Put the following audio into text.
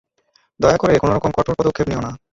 দয়া করে কোনরকম কঠোর পদক্ষেপ নিও না।